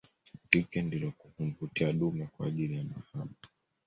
Jike ndilo humvutia dume kwaajili ya mahaba